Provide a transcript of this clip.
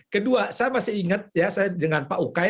kedua saya masih ingat ya saya dengan pak ukay